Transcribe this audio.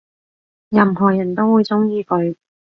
任何人都會鍾意佢